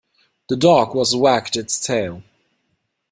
The dog was wagged its tail.